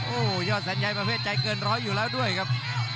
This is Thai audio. โอ้โหยอดแสนใยประเภทใจเกินร้อยอยู่แล้วด้วยครับ